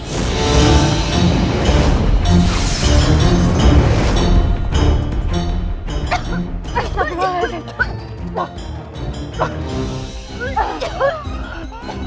masa berulang ini